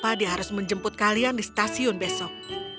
saya berharap dia harus menjemput kalian di stasiun besok